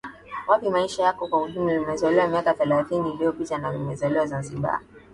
wapi maisha yako kwa ujumla Nimezaliwa miaka thelathini iliyopita na nimezaliwa Zanzibar